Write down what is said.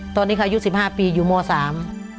ตอนนี้เขายุด๑๕ปีอยู่โมสาม